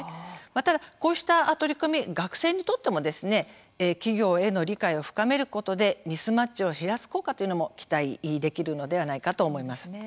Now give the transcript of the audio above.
ただ、こうした取り組み学生にとってもですね企業への理解を深めることで、ミスマッチを減らす効果というのも期待できるのではないかと思います。